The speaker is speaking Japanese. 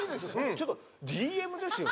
ちょっとＤＭですよね